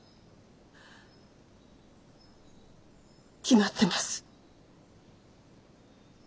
決まってます。